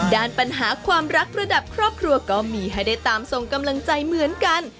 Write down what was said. ด้านปัญหาความรักระดับครอบครัวก็มีให้ได้ตามส่งกำลังใจเหมือนกัน